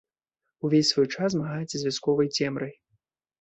Увесь свой час змагаецца з вясковай цемрай.